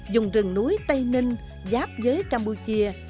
dùng rừng núi tây ninh giáp giới campuchia